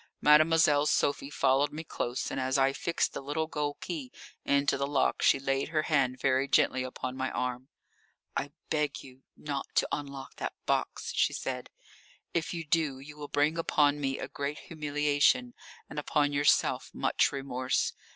Mademoiselle Sophie followed me close, and as I fixed the little gold key into the lock she laid her hand very gently upon my arm. "I beg you not to unlock that box," she said; "if you do you will bring upon me a great humiliation and upon yourself much remorse.